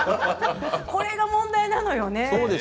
これが問題なのよね。